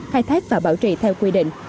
khai thác và bảo trì theo quy định